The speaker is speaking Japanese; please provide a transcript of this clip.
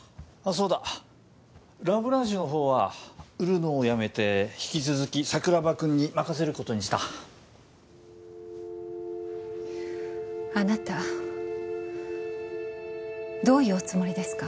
そうだラ・ブランシュのほうは売るのをやめて引き続き桜庭君に任せることにしたあなたどういうおつもりですか？